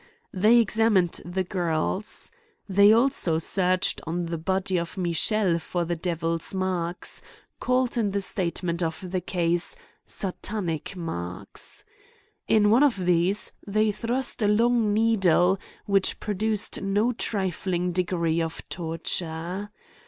They examined the girls. They also searched on the body of Michelle for the devil's marks, called in the state ment of the case, satanic marks. Into one of these, they thrust a long needle, which produced no trif ling degree of torture.